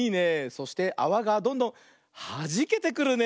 そしてあわがどんどんはじけてくるね。